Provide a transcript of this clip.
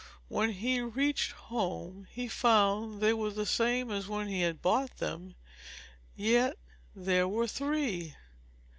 When he reached home he found they were the same as when he had bought them; yet there were _three!